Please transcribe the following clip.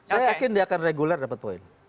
saya yakin dia akan reguler dapat poin